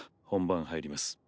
本番入ります。